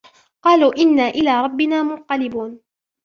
قَالُوا إِنَّا إِلَى رَبِّنَا مُنْقَلِبُونَ